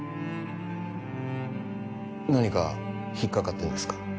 何か引っかかってんですか？